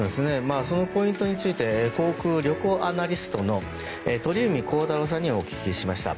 そのポイントについて航空・旅行アナリストの鳥海高太朗さんにお聞きしました。